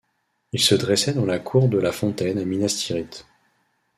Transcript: Il se dressait dans la Cour de la Fontaine à Minas Tirith.